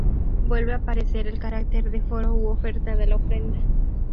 Vuelve a aparecer el carácter de foro u oferta de la ofrenda.